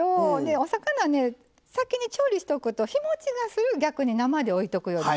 お魚ね先に調理しておくと日もちがする逆に生で置いとくよりも。